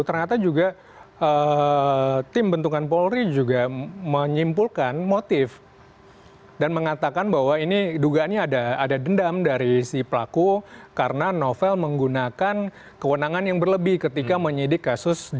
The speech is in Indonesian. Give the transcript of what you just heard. ternyata juga tim bentukan polri juga menyimpulkan motif dan mengatakan bahwa ini dugaannya ada